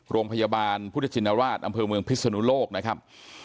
โรงพยาบาลพุทธชินราชอำเภอเมืองพิศนุโลกนะครับ